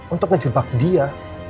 untuk ngejebak dia